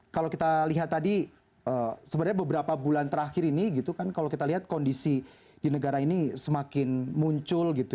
kalau kita lihat tadi sebenarnya beberapa bulan terakhir ini gitu kan kalau kita lihat kondisi di negara ini semakin muncul gitu